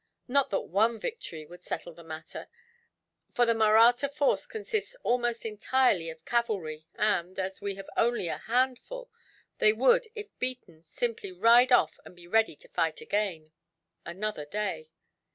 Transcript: Not that one victory would settle the matter, for the Mahratta force consists almost entirely of cavalry and, as we have only a handful, they would, if beaten, simply ride off and be ready to fight again, another day.